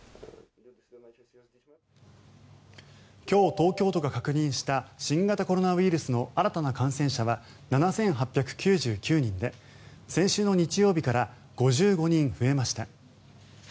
今日、東京都が確認した新型コロナウイルスの新たな感染者は７８９９人で先週の日曜日から５５人増えました。